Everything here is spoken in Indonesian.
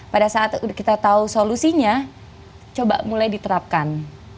pada saat kita tahu solusinya coba mulai diterapkan